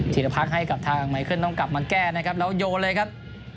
ทีละพักให้กับทางไมเคิลต้องกลับมาแก้นะครับแล้วโยนเลยครับ